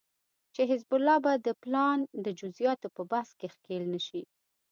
چې حزب الله به د پلان د جزياتو په بحث کې ښکېل نشي